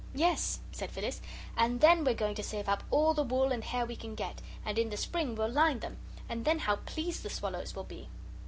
"Yes," said Phyllis; "and then we're going to save up all the wool and hair we can get, and in the spring we'll line them, and then how pleased the swallows will be!"